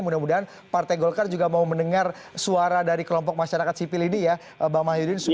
mudah mudahan partai golkar juga mau mendengar suara dari kelompok masyarakat sipil ini ya bang mahyudin